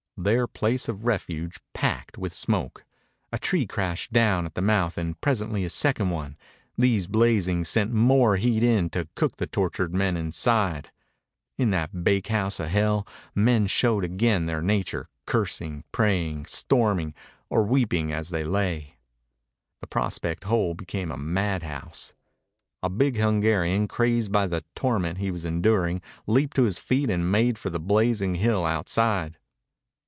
Their place of refuge packed with smoke. A tree crashed down at the mouth and presently a second one. These, blazing, sent more heat in to cook the tortured men inside. In that bakehouse of hell men showed again their nature, cursing, praying, storming, or weeping as they lay. The prospect hole became a madhouse. A big Hungarian, crazed by the torment he was enduring, leaped to his feet and made for the blazing hill outside.